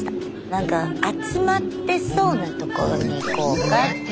なんか集まってそうなところに行こうかって。